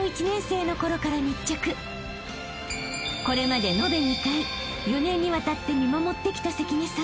［これまで延べ２回４年にわたって見守ってきた関根さん］